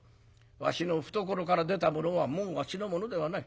わしの懐から出たものはもうわしのものではない。